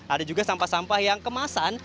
ada juga sampah sampah yang kemasan